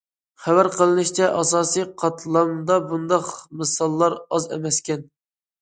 خەۋەر قىلىنىشىچە، ئاساسىي قاتلامدا بۇنداق مىساللار ئاز ئەمەسكەن.